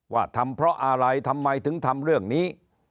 ว่าทำเพราะอะไรทำไมถึงทำเรื่องนี้